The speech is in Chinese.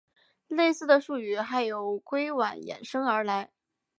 类似的术语还有硅烷衍生而来。